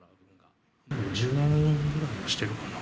１０年ぐらいしてるかな。